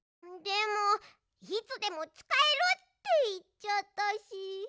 でも「いつでもつかえる」っていっちゃったし。